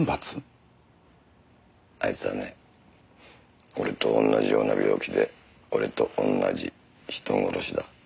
あいつはね俺と同じような病気で俺と同じ人殺しだ。